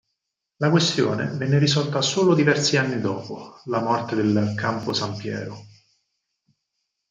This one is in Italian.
La questione venne risolta solo diversi anni dopo la morte del Camposampiero.